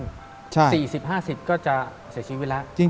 ๔๐๕๐ก็จะเสียชีวิตแล้ว